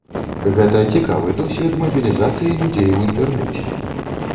Гэта цікавы досвед мабілізацыі людзей у інтэрнэце.